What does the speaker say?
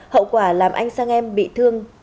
hậu quả làm anh sang em bị thương